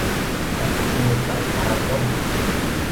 จับปูใส่กระด้ง